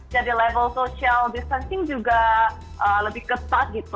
jadi level social distancing juga lebih ketat